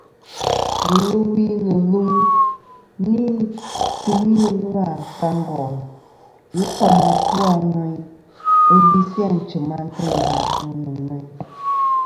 Wul ɨ wi nɨ̀ lum nɨn tumî ɨlvâ sa ngòyn ghɨ kom atu a ŋweyn ɨ visi ànchɨ̀m antêynɨ̀ àtu nɨ̀ ŋweyn.